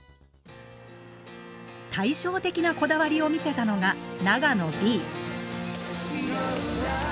対照的なこだわりを見せたのが長野Ｂ。